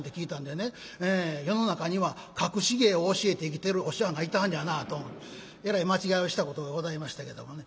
世の中には隠し芸を教えて生きてるお師匠はんがいてはんねやなと思ってえらい間違いをしたことがございましたけどもね。